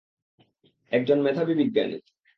একজন মেধাবী বিজ্ঞানী!